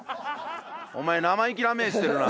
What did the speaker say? お前生意気な目してるな。